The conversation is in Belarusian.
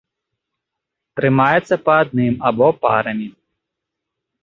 Трымаецца па адным або парамі.